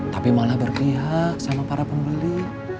tapi malah berpihak sama para pembeli